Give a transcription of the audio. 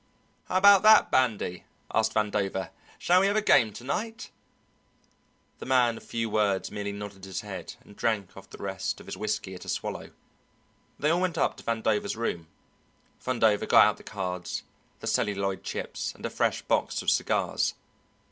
"How about that, Bandy?" asked Vandover. "Shall we have a game to night?" The man of few words merely nodded his head and drank off the rest of his whisky at a swallow. They all went up to Vandover's room. Vandover got out the cards, the celluloid chips, and a fresh box of cigars.